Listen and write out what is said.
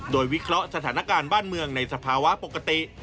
โดยวิเคราะห์สถานการณ์บ้านเมืองในสภาวะปกติ